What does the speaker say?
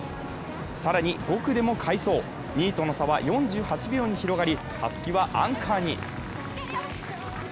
更に、５区でも快走、２位との差は４８秒に広がり、たすきはアンカーに。